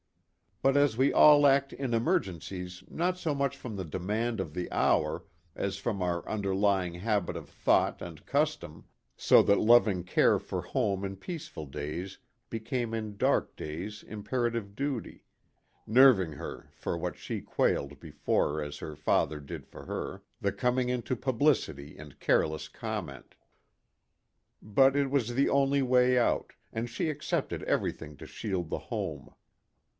But as we all act in emergencies not so much from the demand of the hour as from our under lying habit of thought and custom, so that loving care for home in peaceful days became in dark days imperative duty nerving her for what she quailed before as her father did for her the coming into publicity and careless comment. But it was the only way out, and she accepted everything to shield the home.